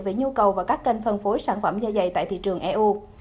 về nhu cầu và các kênh phân phối sản phẩm da dày tại thị trường eu